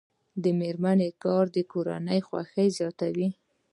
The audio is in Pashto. د میرمنو کار د کورنۍ خوښۍ زیاتوي.